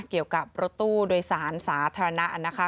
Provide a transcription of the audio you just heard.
เกี่ยวกับรถตู้โดยสารสาธารณะนะคะ